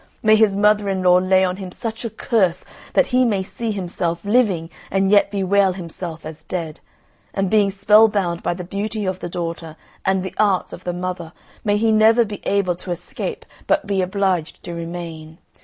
May his mother in law lay on him such a curse that he may see himself living and yet bewail himself as dead; and being spellbound by the beauty of the daughter, and the arts of the mother, may he never be able to escape, but be obliged to remain.